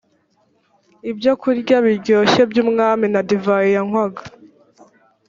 ibyokurya biryoshye by’umwami na divayi yanywaga